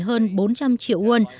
hơn bốn trăm linh triệu won